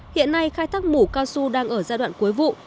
hiện nay khai thác mù cao su đang ở giai đoạn cuối vụ